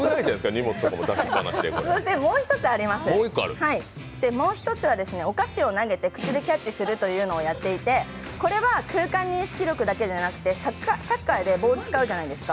そしてもう一つは、お菓子を投げて口でキャッチするというのをやっていて、これは空間認識力だけじゃなくて、サッカーでボール使うじゃないですか。